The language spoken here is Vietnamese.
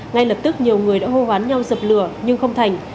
ngay lập tức nhiều người đã hô hoán nhau dập lửa nhưng không thành